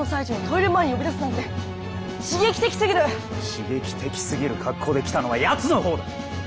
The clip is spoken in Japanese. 刺激的すぎる格好で来たのはやつのほうだ！